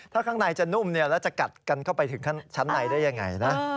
ถ้าข้างในจะนุ่มแล้วจะกัดกันเข้าไปถึงชั้นในได้ยังไงนะ